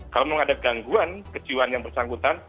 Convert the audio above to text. kalau menghadapi gangguan kejiwaan yang bersangkutan